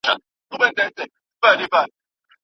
له کورنۍ پرته ټولنیز اداب نه زده کېږي.